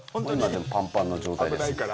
今パンパンの状態です。